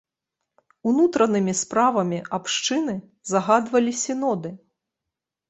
Унутранымі справамі абшчыны загадвалі сіноды.